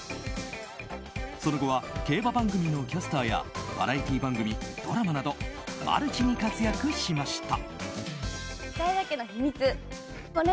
その後は競馬番組のキャスターやバラエティー番組ドラマなどマルチに活躍しました。